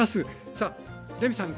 さあレミさん